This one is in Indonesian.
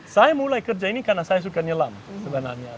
saya mulai kerja ini karena saya suka nyelam sebenarnya